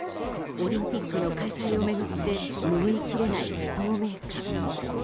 オリンピックの開催を巡って拭いきれない不透明感。